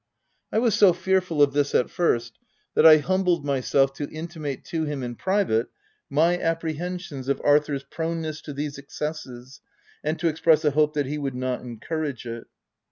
1 was so fearful of this at first, that I humbled myself to intimate to him in private, my apprehensions of Arthur's proneness to these excesses and to express a hope that he would not encourage it.